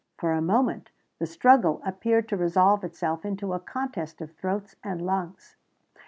For a moment the struggle appeared to resolve itself into a contest of throats and lungs.